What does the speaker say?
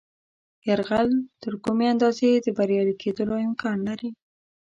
یرغل تر کومې اندازې د بریالي کېدلو امکان لري.